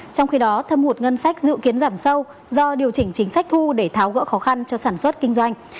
trong khi đó thâm hụt ngân sách dự kiến giảm sâu do điều chỉnh chính sách thu để tháo gỡ khó khăn cho sản xuất kinh doanh